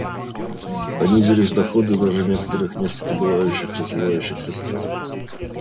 Понизились доходы даже некоторых нефтедобывающих развивающихся стран.